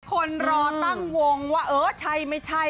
คนรอตั้งวงว่าเออใช่ไม่ใช่